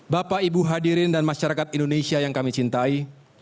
bapak ibu hadirin dan masyarakat indonesia yang kami cintai